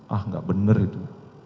ah gak bener itu